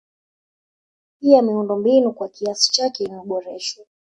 Pia miundombinu kwa kiasi chake imeboreshwa